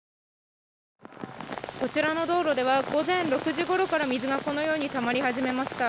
こちらの道路では午前６時ごろから水がこのようにたまり始めました。